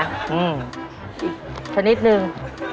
อืมอีกชนิดหนึ่ง